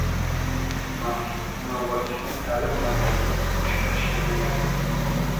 maxsus innovatsion ta’lim markazini qurishga shaylanyapmiz.